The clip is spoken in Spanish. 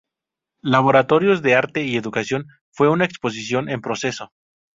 Laboratorios de arte y educación "fue una exposición en proceso.